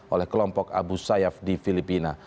oleh kelompok abu sayyaf di filipina